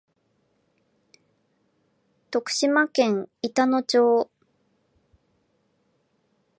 徳島県板野町